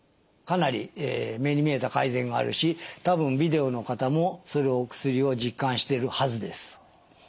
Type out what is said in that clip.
かなり目に見えた改善があるし多分ビデオの方もそれをお薬を実感してるはずです。